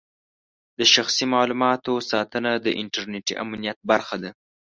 د شخصي معلوماتو ساتنه د انټرنېټي امنیت برخه ده.